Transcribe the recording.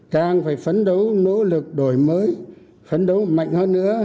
càng phải phấn đấu nỗ lực đổi mới phấn đấu mạnh hơn nữa